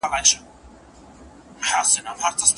دلته کومه اشاره معتبره ګڼل سوې ده؟